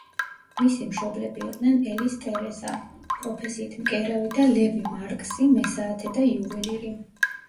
მისი მშობლები იყვნენ ელის ტერეზა, პროფესიით მკერავი და ლევი მარკსი, მესაათე და იუველირი.